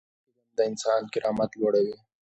علم د انسان کرامت لوړوي.